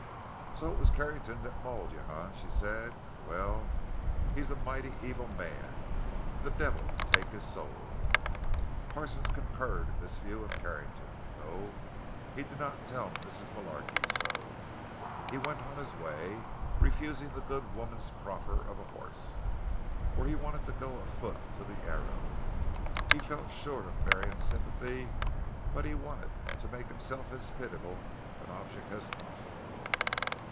"So it was Carrington that mauled you, eh?" she said. "Well, he's a mighty evil man—the divvle take his sowl!" Parsons concurred in this view of Carrington, though he did not tell Mrs. Mullarky so. He went on his way, refusing the good woman's proffer of a horse, for he wanted to go afoot to the Arrow. He felt sure of Marion's sympathy, but he wanted to make himself as pitiable an object as possible.